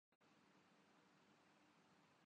Asian development bank کے وفد کی شہباز شریف سے ملاقات